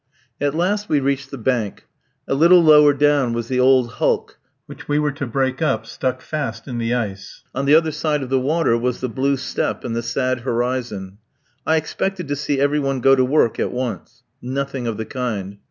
At last we reached the bank; a little lower down was the old hulk, which we were to break up, stuck fast in the ice. On the other side of the water was the blue steppe and the sad horizon. I expected to see every one go to work at once. Nothing of the kind.